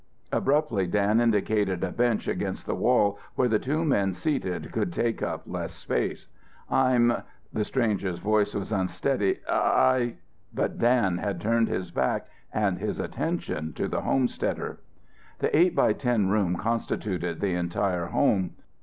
Abruptly Dan indicated a bench against the wall where the two men seated would take up less space. "I'm " The stranger's voice was unsteady. "I ," but Dan had turned his back and his attention to the homesteader. The eight by ten room constituted the entire home.